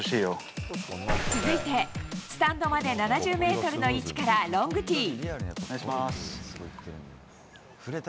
続いて、スタンドまで７０メートルの位置からロングティー。